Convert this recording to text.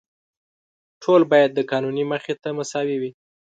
ټول باید د قانون مخې ته مساوي وي.